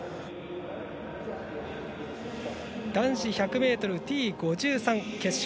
男子１００ｍＴ５３決勝。